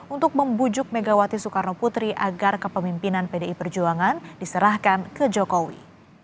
untuk membujuk megawati soekarno putri agar kepemimpinan pdi perjuangan diserahkan ke jokowi